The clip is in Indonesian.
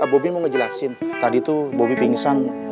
bobi mau ngejelasin tadi tuh bobi pingsan